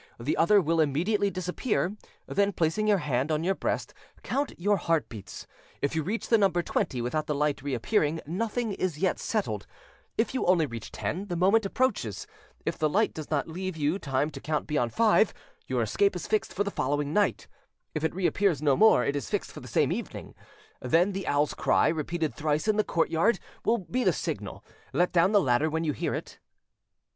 The other will immediately disappear; then, placing your hand on your breast, count your heartbeats: if you reach the number twenty without the light reappearing, nothing is yet settled; if you only reach ten, the moment approaches; if the light does not leave you time to count beyond five, your escape is fixed for the following night; if it reappears no more, it is fixed for the same evening; then the owl's cry, repeated thrice in the courtyard, will be the signal; let down the ladder when you hear it".